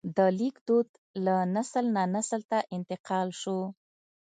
د لیک دود له نسل نه نسل ته انتقال شو.